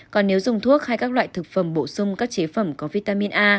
còn nếu dùng thuốc hay các loại thực phẩm bổ sung các chế phẩm có vitamin a